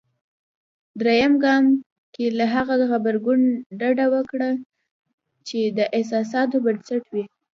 درېم ګام کې له هغه غبرګون ډډه وکړئ. چې د احساساتو پر بنسټ وي.